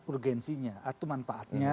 urgensinya atau manfaatnya